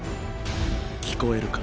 聞こえるか？